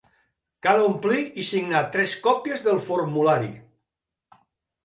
Cal omplir i signar tres còpies del formulari.